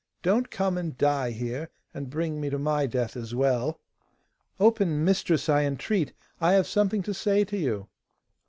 Don't come and die here, and bring me to my death as well.' 'Open, mistress, I entreat, I have something to say to you.